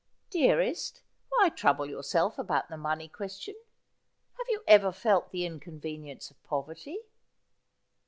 ' Dearest, why trouble yourself about the money question ? Have you ever felt the inconvenience of poverty